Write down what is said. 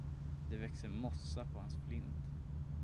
Det växer mossa på hans flint.